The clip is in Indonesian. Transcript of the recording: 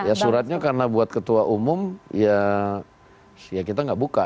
ya suratnya karena buat ketua umum ya kita nggak buka